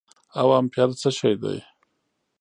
او امپير څه شي دي